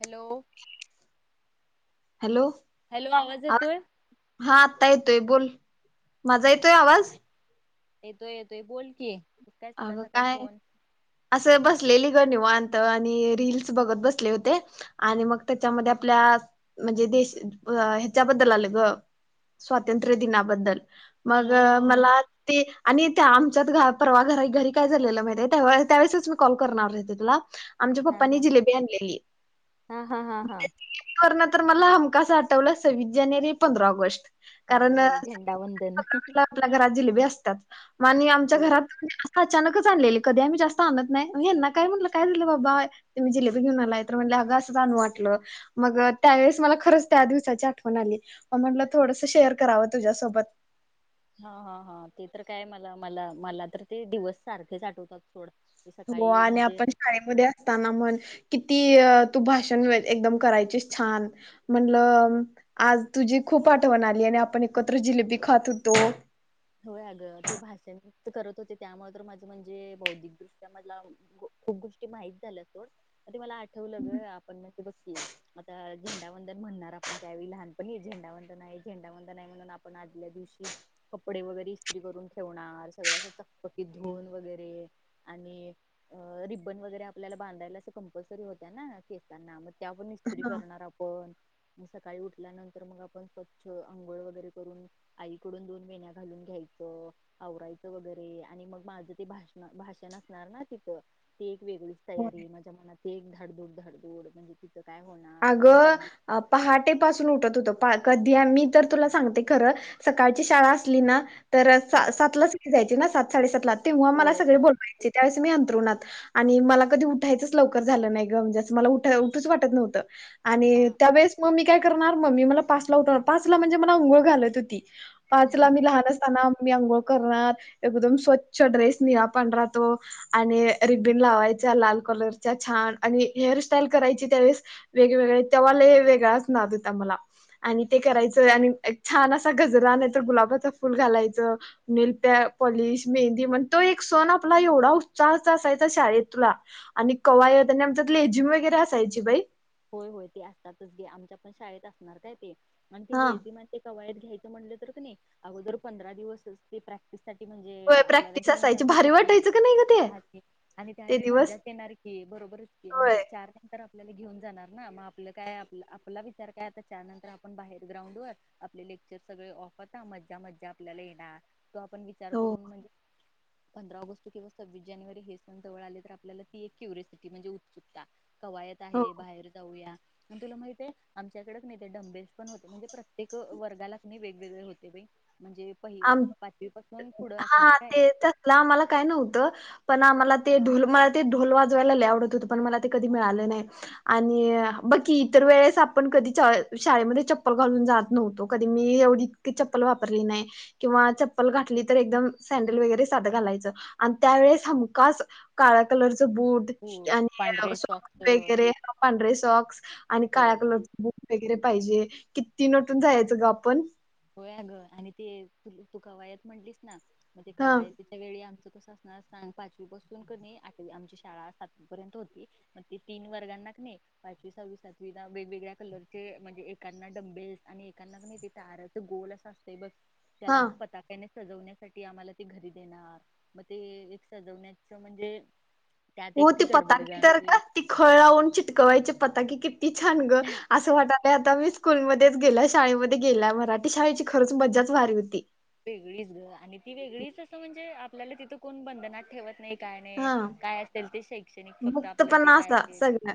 Hello! Hello! Hello आवाज येतोय? हा आता ते बोल माझा येतोय, आवाज. येतोय येतोय बोल, की. काय सकाळ अगं सकाळी काय फोन असं बसलेली निवांत आणि रीलस बघत बसले होते आणि मग त्याच्यामध्ये आपल्या म्हणजे, देश ह्याच्याबद्दल आले गं स्वातंत्र्य दिनाबद्दल मग हो मला ते आणि ते आम [unintelligible] परवा घरा घरी काय झालेलं माहितेय, त्यावेळेसच मी कॉल करणार होतो माहितेयं तुला. आमच्या हा पप्पांनी हा जिलेबी आणलेली. हा हा हा आणि हा त्या जिलेबी वरणच तर मला हमकास आठवला सव्वीस जानेवारी पंधरा ऑगस्ट. अगं कारण होय झेंडावंदन [unintelligible] आपल्या घरात जिलेबी असत्या. [unintelligible] [unintelligible] आमच्या हो घरात अचानकच आणलेली, कधी आम्ही जास्त आणत नाय, ह्यांना काय म्हटलं, काय झालं बाबा तुम्ही जिलेबी घेऊन आलाय, तर म्हणलं अगं असंच आणू वाटलं, मग त्यावेळेस मला खरंच, त्या दिवसाची आठवण आली, म म्हटलं थोडस शेअर करावं तुझ्यासोबत. हा हा हा, ते तर काय मला, मला, मला तर ते दिवस सारखेच आठवतात सोड. हो सकाळी आणि म्हणजे आपण शाळेमध्ये असताना मन किती की, तू भाषण एकदम करायचीस छान, म्हणलं आज तुझी खूप आठवण आली. आणि आपण एकत्र जिलेबी खात हुतो. होय अगं, ते भाषण करत होते, त्यामुळे तर माझं म्हणजे बौद्धिक दृष्ट्या मधला खूप गोष्टी माहित झाल्यात सोड, ते मला आठ ठेवलं ग, आपणती बघ की आता झेंडावंदन म्हणणार आपण त्यावेळी लहानपणी, झेंडावंदन हाय झेंडावंदन हाय म्हणून, आपण आदल्या दिवशी कप कपडे वगैरे इस्त्री करून ठेवणार, सगळंं असं चकपकीत धुून वगैरे आणि रिब्बन वगैरे आपल्याला बांधायला अस कंपल्सरी होत्या ना केसांना मग त्या आपण इस्त्री करणार आपणं मग सकाळी उठल्यानंतर मग आपण स्वच्छ अंघोळ वगैरे करून आईकडून दोन वेण्या घालून घ्यायचं, आवरायचं वगैरे आणि मग माझं ते भाषण भाषण असणार ना तिथं ते वेगळीच होय. तयारी, माझ्या मनात ते एक धाडधूड धाडधूड म्हणजे काय होणार मी अगं! सगळ्यां पहाटे पासून उठत हुतो. कधी, मी तर तुला सांगते खर, सकाळची शाळा असली ना तर हा सातलाच इथनं जायची, ना सात साडेसातला, तेव्हा मला होय सगळे बोलवायचे, त्या वेळेस मी थरुणात आणि मला कधी उठायचंच लवकर झालं नाही ग, म्हणजे अस मला उठूच वाटत नव्हतं. [unintelligible] आणि हा त्यावेळेस म मी काय करणार, मम्मी मला पाचला उठवणार, पाचला म्हणजे मला आंघोळ घालत हुती. पाचला, मी लहान असताना मी अंघोळ करणार, एकदम स्वच्छ ड्रेस निळा पांढरा तो आणि रिबिन लावायच्या लाल कलरच्या छान आणि हेअरस्टाईल करायची त्यावेळेस वेगवेगळे तेव्हा लई वेगळाच नाद हुता मला आणि ते करायचं आणि छान असा गजरा आणायचा, गुलाबाच फुल घालायचं नेलप्या पॉलिश मेहंदी म्हण तो एक सण आपला एवढा उत्साहाचा सण असायचा शाळेतला आणि कवायत आणि आमच्या लेजिम वगैरे असायची बाई होय होय ते असतातच गे आमच्या पण शाळेत असणार काय ते. अनं ते हा लेझीम आणि ते कवायत घ्यायचं म्हंटल तर क नई अगोदर पंधरा दिवस असती प्रॅक्टिस. साठी म्हणजे आपल्याला प्रॅक्टिस घेऊन असायची जात होते भारी कीं वाटायचं का नाही ग ते आणि ते त्यावेळी दिवस मज्जाच येणार की, बरोबरच की, होय म्हणजे चार नंतर आपल्याला घेऊन जाणार ना मग आपल काय आपला विचार काय आता, चार नंतर आपण बाहेर ग्राउंड वर आपले लेक्चर सगळे ऑफ आता मज्जा मज्जा आपल्याला येणार. तो आपण विचार हो करून म्हणजे पंधरा ऑगस्ट किंवा सव्वीस जानेवारी हे सण जवळ आले तर आपल्याला ती एक क्युरिसिटी म्हणजे उत्सुकता. कवायत हो आहे जाऊया तुला माहितेय आमच्याकडं क नाही ते डंबेल्स पण होते म्हणजे प्रत्येक वर्गाला क नाही वेगवेगळे होते बाई. म्हणजे पहि आम पाचवी पासून पुढं हा हा असणार काय ते त्यातल आम्हाला काय नव्हतं पण आम्हाला ते ढोल मला ते ढोल वाजवायला लई आवडत हुत पण मला ते कधी मिळाले नाही आणि बघ कीं इतर वेळेस आपण कधी शाळेमध्ये चप्पल घालून जात नव्हतो कधी मी एवढी इतकीं चप्पल वापरली नाही. किंवा चप्पल घातली तर एकदम सँडल वगैरे साधं घालायचं आणि त्यावेळेस हमखास काळ्या कलर बूट हो आणि पांढरे सॉक्स वगैरे पांढरे सॉक्स आणि काळ्या बरोबर कलरचे बूट वगैरे पाहिजे किती नटून जायचं ग आपण आणि ते तू का वा्हायात म्हटलीस ना म तेे हा कवाय तिच्या वेळी आमच तस अस पाचवी पासून क नाही आठवी आमची शाळा सातवी पर्यंत होती मग त तीन वर्गांना क नाही पाचवी सहावी सातवी वेगवेगळ्या कलरचे म्हणजे एांना डमबेस आणि एांना नाही ते तारच गोल अस असते ब चला हा मग पता कने सजवण्यासाठी आम्हाला ते घरी देणार मग ते एक सजवण्याच म्हणजे त्यात एक हो ती गडबड गं पताकी तर आमची का ती खळवून चिटकवायची पताकी ती छान ग असं वाटत आता मी स्कूलमध्येच गेल्या शाळेमध्ये गेल्या मराठी शाळेची खरच मजाच भारी होती वेगळीच ग आणि ती वेगळीच असं म्हणजे आपल्याला तिथं कोण बंधनात ठेवत नाही काय नाही हा काय असेल ते शैक्षणिक फक्त मुक्त आपलं पण जे काय असा असेल सगळ्या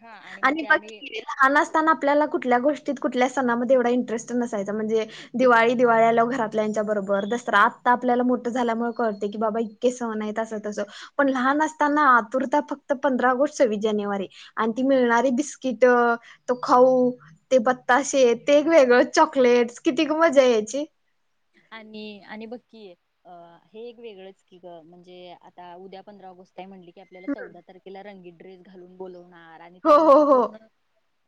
हा मग आणि ते ब आम्ही लहान असताना आपल्याला कुठल्या गोष्टी कुठल्या सणामध्ये एवढा इंटरेस्ट नसायचा म्हणजे दिवाळी दिवाळी आल्या घरातल्या यांच्याबरोबर दसरा आत्ता आपल्याला मोठं झाल्यामुळे कळते की बाबा इतके सण आहेत असं पण लहान असताना आतुरता फक्त पंधरा ो सव्वीस जानेवारी आणि ती मिळणारी बिस्किट तो खाऊ ते बताशे ते एक वेगळं चॉकलेट किती ग मजा यायची. आणि आणि बक्की अ हे एक वेगळंच की ग म्हणजे आता उद्या पंधरा ऑगस्ट म्हण की आपल्या हम्म. चौदा तारखेला रंगीत ड्रेस घालून बोलो ह आणि हो त्या हो दिवशी हो पूर्ण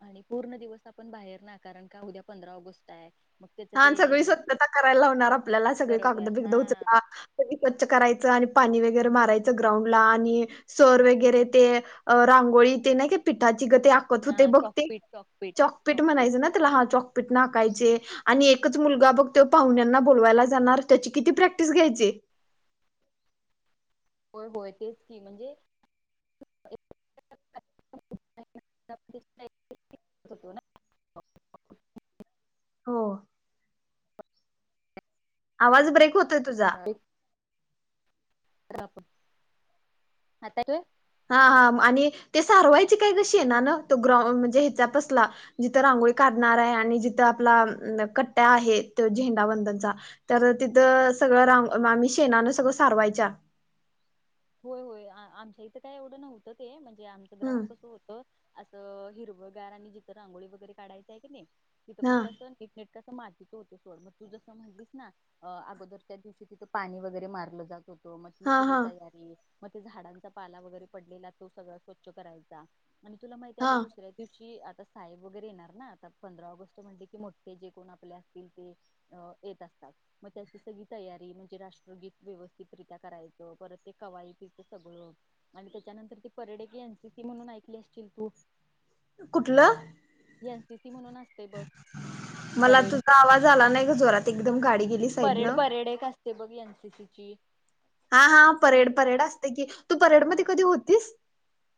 आणि पूर्ण दिवस आपण बाहेर ना कारण का उद्या पंधरा ऑगस्ट आहे. मग त्याच छान सगळी ते स्वछता करायला ल्याला सगळे कागद बरोबर बिगद हा उचला, सगळं स्वच्छ करायचा पाणी वगैरे मारायच ग्राउंड ला आणि सर वगैरे ते रांगोळी ते नाही, का पीठ त होते हा [unintelligible] ब चॉकपीट चॉकपीट चकी चॉकपीट म्हणायच नाला ह पिटना खायचे [unintelligible] आणि एकच मुलगा बघ ते पाहुण्यांना बोलवायला जाणार त्याची किती प्रॅक्टिस घ्यायचे. होय होय तेच की म्हणजे हो हो आवाज ब्रेक होतो. तुझा आता हा हा आणि ते सारवायचे काय ग शेणानं तो ग्राउड म्हणजे ह्याचापसला जिथं रांगोळी काढणार आहे आणि जिथं आपला कट्ट्या आहे तो झेंडा वंदनचा तर तिथं सगळं रांग आम्ही शेणानं सगळं सारवायच्या होय होय आमच्या इथं काय एवढं नव्हतं ते म्हणज आमचं ग्रांउड हम्म कसं होतं. असं हिरवं गार आणि जित रांगोळी वगैरे काढायचं आहे की नाही. तिथ हा फक्त असतट [unintelligible] मातीच होते सोड मग तू जसं म्हणलीस ना अगोदरच्या दिवशी तिथं पाणी वगैरे मारलं जात होतं. मग हा सगळी हा तया मग ते झाडांचा पाला वगैरे पडलेला तो सगळा स्वच्छ करायचा. आणि तुला माहितीय हा आता दुसऱ्या दिवशी साहेब वगैरे येणार ना आता पंधरा ऑगस्ट म्हण की मोठे जे कोण आपले असतील ते येत असतात मग त्याची सगळी तयारी म्हणजे राष्ट्रगीत व्यवस्थितरित्या करायचं परत ते कवाई पिच सगळं आणि त्याच्यानंतर ती परेड की एनसीसी म्हणून ऐकली असतील तू कुठलं. जी मला तुझा आवाज आला नाही ग जोरात एकदम गाडी गेली साईड ना ते बघ एनसीसीची हा हा ही परेड परेड असते की, तू परेड मध्ये कधी होतीस.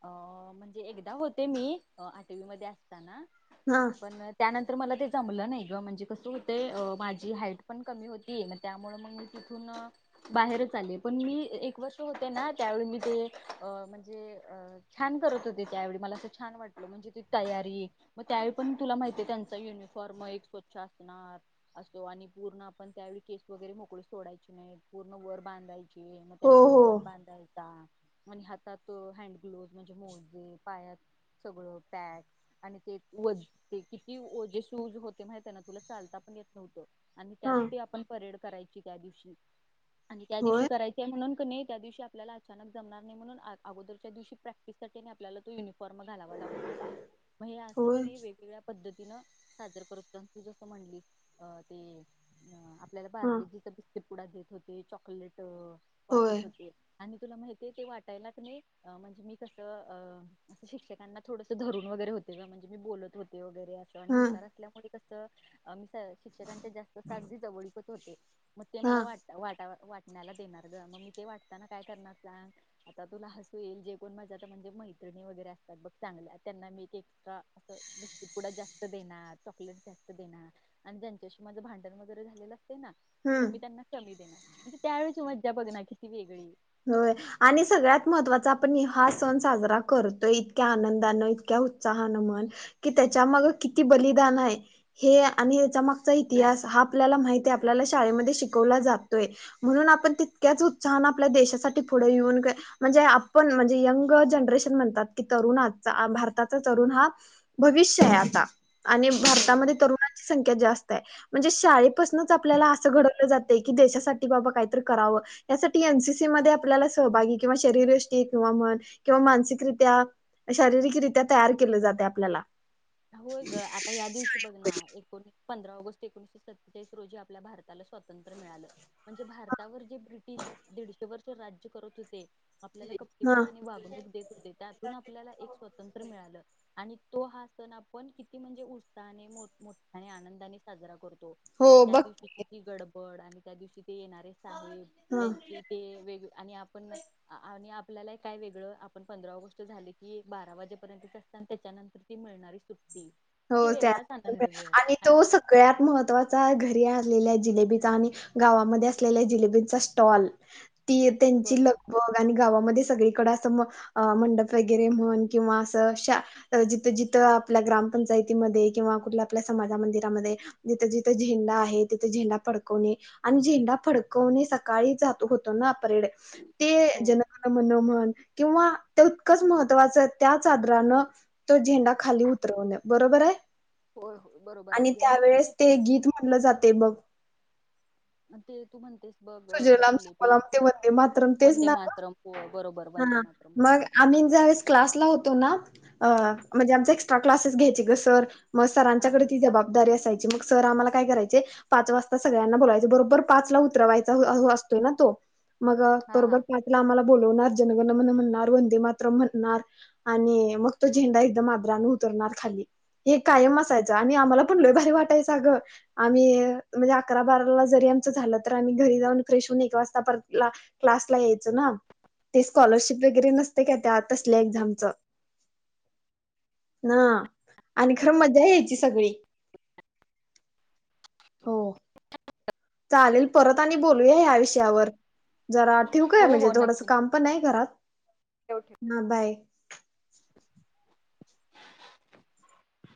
अ म्हणजे एकदा होते मी आठवीमध्येध्ये असताना हा पण त्यानंतर तर मला ते जमलं नाही किं म्हणजे कसं होते माझी हाईट पण कमी होती मग त्यामु मग मी तिथून बाहेरच आले पण मी एक वर्ष होते ना त्यावेळी मी ते म्हणजे अ छान करत होते त्यावेळी मला अस छान वाटलं म्हणजे त तयारी मग त्यावेळी पण तुला माहिती आहे त्यांचा युनिफॉर्म एक स्वच्छ असणार असतो आणि पूर्ण आपण त्यावेळी केस वगैरे मोकळी सोडायची नाही पूर्ण वर बांधायची मग हो त्याला तू हो बन बांधायचा मनी हात हात हँड ग्लोव म्हणजे मोजे पाया सगळ पॅक आणि ते व किती जे शूज होते माहि त्यांना तुला चालता पण येत नव्ह आणि हा त्यात आपण परेड करायची त्या दिवशी आणि त्या दिवशी होय करायचे म्हणून नाही त्या दिवशी आपल्याला अचानक जमणार नाही म्हणून अगोदरच्या दिवशी प्रॅक्टिसाठी आपला तो होय य [unintelligible] साजर करत तू जस म्हणली अ ते आपल्याला हा पारले कुडा देत होते चॉकलेट होय वाटत होते आणि तुला माहितीे ते वाटायलाच नाही म्हणजे मी तसं अ असं शिक्षकांना थोडस धरून वगैरे होते का म्हणजे मी बोलत होते व आणि हम्म हुशार असल्यामुळे तस च शिक्षकांच्या जास्तच आगदी जवळीक होत्- होते. म ते हा मला वाट वाटा वाटा- म्याला देणार ग‌. म मी ते वाटताना काय करणार सांग, आता तुला हसू येईल जे- कोण माझ आता म्हणजे मैत्रिणी वगैरे असतात ब चांगल्या त्यांना मी एक्स्ट्रा अस बिस्कीटपुडा जास्त देणार चॉकलेट जास्त देणार आणि ज्यांच्याशी माझं भांडण वगैरे झालेलं- ना तर हम्म मी त्यांना कमी देणार. म्हणजे त्यावेळेची मज्जा बघ ना किती वेगळी- होय. आणि सगळ्यात महत्वाचा आपण हा सण साजरा करतोय, इतक्या आनंदानं इतक्या उत्साहानं म्हण कि त्याच्या मग किती बलिदान आहे, हे आणि याच्या मागचा इतिहास हा आपल्याला माहती आहे. आपल्याला शाळेमध्ये शिकवला जातोय म्हणून आपण तितक्याच उत्साहानं- आपल्या देशासाठी पुढे येऊन, म्हणजे आपण म्हणजे यंग जनरेशन म्हणतात की तरुण भारताचा तरुण हा भविष्य आहे आता. आणि बरोबर भारतामध्ये तरुणांची संख्या जास्त- म्हणजे शाळेपासूनच आपल्याला अस घडवलं जातय की देशासाठी बाबा काहीतरी करावं, त्यासाठी- एनसीसी मध्ये आपल्याला सहभागी किंवा शरीरयष्टी किंवा म्हण किंवा मानसिकरित्या, शारीरिकरित्या तयार केलं जातय आपल्याला. होय गं आता या दिवशी बघ ना एक कोणी - पंधरा ऑगस्ट एकोणीशे सत्तेचाळीस रोजी आपल्या भारताला स्वातंत्र्य मिळालं म्हणजे भारतावर जे ब्रिटिश दिडशे वर्ष राज्य करत होते, आपल्याला हा कपटीपणाने वागणूक देत होते, त्यातून आपल्याला एक स्वतंत्र मिळालं. आणि तो हा सण आप्- पण किती म्हणजे उत्साहाने मोठ मोठ्या आनंदाने साजरा करतो. हो म्हणजे त्या बघ दिवशी गड्- बड आणि त्या दिवशी- ते येणारे साहेब हा त्यांचे ते वेग आणि आपण आणि आप् - आपल्याला काय वेगळं आपण पंधरा ऑगस्ट झाले की, बारा वाजेपर्यंतच असतं त्याच्यानंतर ती मिळणारी सुट्- हो त्या आणि तो सगळ्यात महत्वाचा घरी आ्- णलेल्या जिलेबीचा आणि गावामध्ये असलेल्या जिलेबीचा स्टॉल. ती त्यांची बरोबर लगभग आणि गावामध्ये सगळीकडं अस मंडप वगैरे म्हण किंवा शा् जिथं जिथं आपल्या ग्राम्- पंचायतीमध्ये किंवा कुठल्या आपल्या समाज मंदिरामध्ये जिथं जिथं झेंडा आहे, तिथे झेंडा फडकवणे आणि झेंडा फडकवणे सकाळी जातो होत ना परेड- ते हो जन गण मन् म्हण किंवा ते इतकंच महत्त्वाचं, त्या चादरानं तो झेंडा खाली उतरवणं. बरोबर हाय. होय. हो बरोबर आणि अगदी तुला त्यावेळेस ते माहितीय गीत म्हणलं जाते बघ. म ते तू म्हणतेस, बघ अ, सुजलाम जिलेबी सुफलाम ते वंदे मातरम तेच वंदे ना ग? मातरम हो बरोबर वंदे हा मातरम मग बरोबर आम्ही ज्यावेेळेस क्लासला होतो ना, अ म्हणजे आमच एक्स्ट्रा क्लासेस घ्यायचे ग सर. म हा सरांच्याकडे ती जबाबदारी असाय- सर आम्हाला काय कराय पाच वाजता सगळ्यांना बोयच बरोबर पाच ला उतरवायचा असतोय ना तो.. मग हा बरोबर हा पाचला आम्हाला बोलवणार म्हण वे मात म्हणणार आणि मग तो झेंडा एक आदरा उतरणार खाली हे कायम असायच आणि आम्हाला पण ल भारी वाटायच अग आम्ही म्हणजे अकरा बाराला जरी आमच झालं तर आम्ही घरी जाऊन फ्रेश एक वाजता क्लाला यायच ना. ते स्कॉलरशिप वगैरे नसते का त्या तसल्या एक्झामच ना आणि खरं मजा यायची सगळी.. हो ह चालेल परत आणि बोलूया ह्या विषयावर. जरा ठेवकय हो म्हणजे हो थोडंसं नक्की ठेव काम पण नाही घरात. ठेव ह बाय